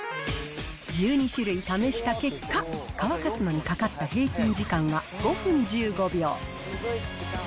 １２種類試した結果、乾かすのにかかった平均時間は５分１５秒。